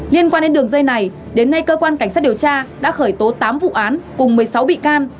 liên quan đến đường dây này đến nay cơ quan cảnh sát điều tra đã khởi tố tám vụ án cùng một mươi sáu bị can